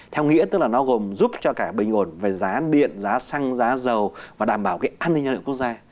theo nghĩa tức là nó gồm giúp cho cả bình ổn về giá điện giá xăng giá dầu và đảm bảo cái an ninh năng lượng quốc gia